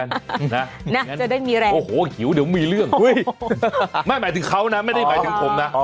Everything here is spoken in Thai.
จะได้มีแรงโอ้โหหิวเดี๋ยวมีเรื่องไม่หมายถึงเขานะไม่ได้หมายถึงผมนะคุณออกอาการ